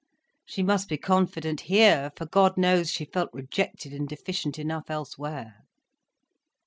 She must be confident here, for God knows, she felt rejected and deficient enough elsewhere.